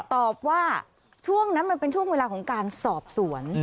ตอบว่าช่วงนั้นมันเป็นช่วงเวลาของการสอบสวน